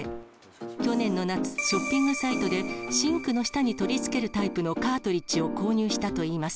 去年の夏、ショッピングサイトで、シンクの下に取り付けるタイプのカートリッジを購入したといいます。